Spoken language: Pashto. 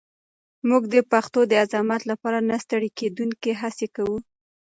موږ د پښتو د عظمت لپاره نه ستړې کېدونکې هڅې کوو.